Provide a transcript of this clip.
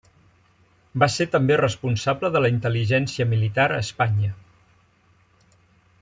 Va ser també responsable de la intel·ligència militar a Espanya.